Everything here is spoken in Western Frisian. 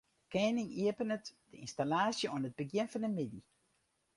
De kening iepenet de ynstallaasje oan it begjin fan de middei.